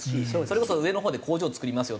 それこそ上のほうで工場を造ります